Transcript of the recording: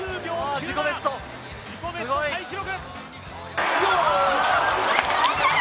自己ベストタイ記録！